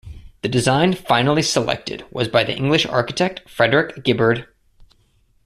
The design finally selected was by the English architect Frederick Gibberd.